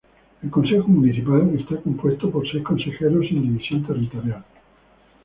El consejo municipal es compuesto por seis consejeros sin división territorial.